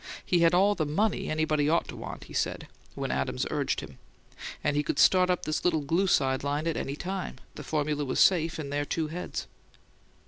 He had "all the MONEY anybody ought to want," he said, when Adams urged him; and he could "start up this little glue side line" at any time; the formula was safe in their two heads.